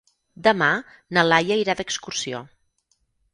Demà na Laia irà d'excursió.